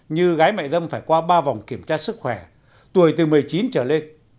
như gái mại dâm phải qua ba vòng kiểm tra sức khỏe tuổi từ một mươi chín trở lên